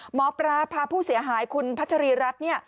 หมอปราพาผู้เสียหายคุณพัชรีรัฐ